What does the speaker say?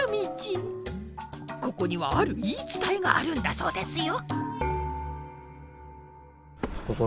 ここにはある言い伝えがあるんだそうですよ。